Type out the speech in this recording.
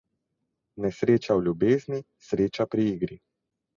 Nesreča v ljubezni, sreča pri igri.